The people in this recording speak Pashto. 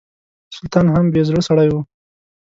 سلطان هم بې زړه سړی و.